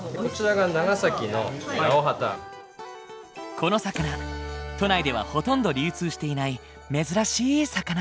この魚都内ではほとんど流通していない珍しい魚。